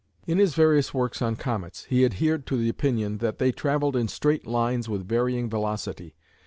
In his various works on Comets, he adhered to the opinion that they travelled in straight lines with varying velocity.